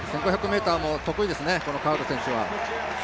１５００ｍも得意ですね、カウル選手は。